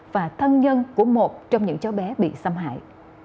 và thân nhân của một trong những cháu bé bị xâm hại